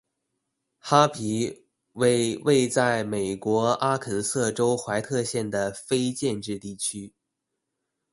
哈皮为位在美国阿肯色州怀特县的非建制地区。